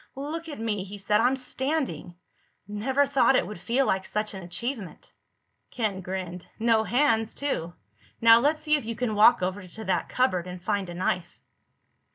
"Look at me," he said. "I'm standing! Never thought it would feel like such an achievement." Ken grinned. "No hands, too. Now let's see if you can walk over to that cupboard and find a knife."